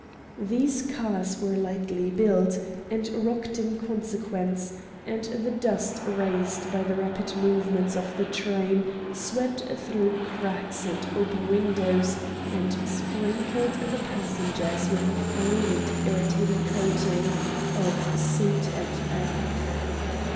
These cars were lightly built, and rocked in consequence, and the dust raised by the rapid movement of the train swept through cracks and open windows, and sprinkled the passengers with a fine and irritating coating of soot and earth.